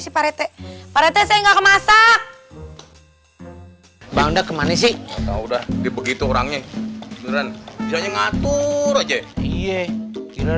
si pareteh pareteh saya enggak masak bangda kemana sih udah begitu orangnya jalan jalan ngatur aja iya